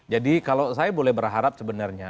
jadi kalau saya boleh berharap sebenarnya